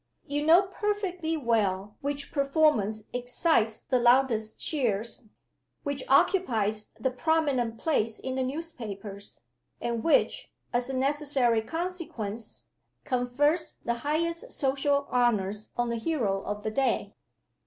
You know perfectly well which performance excites the loudest cheers, which occupies the prominent place in the newspapers, and which, as a necessary consequence, confers the highest social honors on the hero of the day."